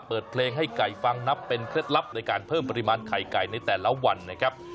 เปิดเพลงให้ไก่ฟังนับเป็นเคล็ดลับในการเพิ่มปริมาณไข่ไก่ในแต่ละวันนะครับ